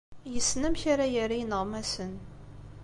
Yessen amek ara yerr i yineɣmasen.